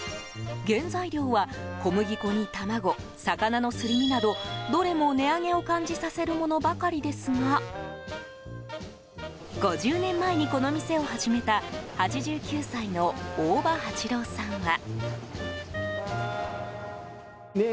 原材料は小麦粉に卵、魚のすり身などどれも、値上げを感じさせるものばかりですが５０年前にこの店を始めた８９歳の大場八朗さんは。